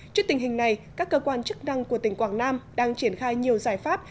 trước tình hình này các cơ quan chức năng của tỉnh quảng nam đang triển khai nhiều giải pháp